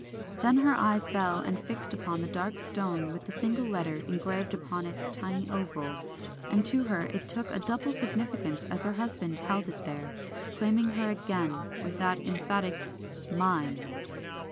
Then her eye fell and fixed upon the dark stone with the single letter engraved upon its tiny oval, and to her it took a double significance as her husband held it there, claiming her again, with that emphatic "Mine."